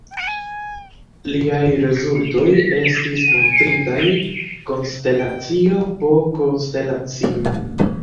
Liaj rezultoj estis montritaj konstelacio po konstelacio.